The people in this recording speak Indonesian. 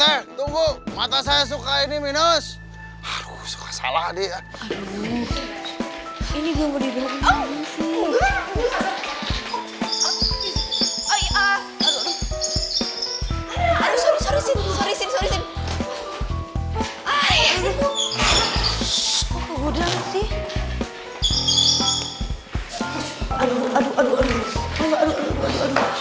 eh tunggu mata saya suka ini minus harus salah dia ini gue mau dirumah